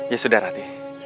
ya sudah rati